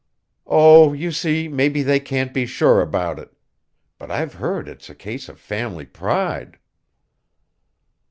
"Oh, you see, maybe they can't be sure about it. But I've heard it's a case of family pride."